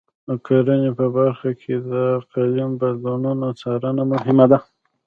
د کرنې په برخه کې د اقلیم بدلونونو څارنه مهمه ده.